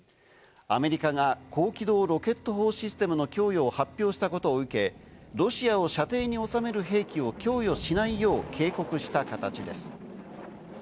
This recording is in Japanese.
アメリカが高機動ロケット砲システムの供与を発表したことを受け、ロシアを射程に収める兵器を供与しないよう警告した形です。